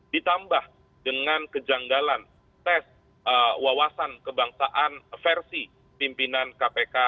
ditambah dengan kejanggalan tes wawasan kebangsaan versi pimpinan kpk